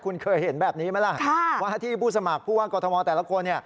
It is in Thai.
คุณเคยเห็นแบบนี้ไหมล่ะว่าที่ผู้สมัครผู้ว่ากรทมแต่ละคน